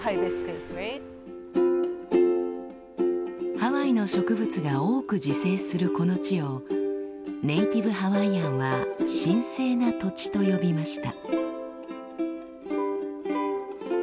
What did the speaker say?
ハワイの植物が多く自生するこの地をネイティブハワイアンは「神聖な土地」と呼びました。